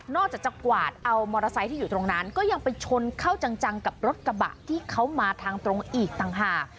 จากจะกวาดเอามอเตอร์ไซค์ที่อยู่ตรงนั้นก็ยังไปชนเข้าจังกับรถกระบะที่เขามาทางตรงอีกต่างหาก